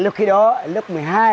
lúc khi đó lúc một mươi hai